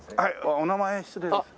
お名前失礼ですが。